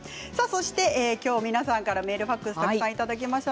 今日、皆さんからメール、ファックスたくさんいただきました。